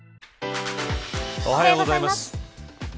おはようございます。